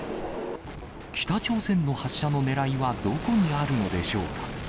北朝鮮の発射のねらいは、どこにあるのでしょうか。